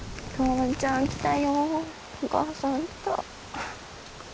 お母さん来た。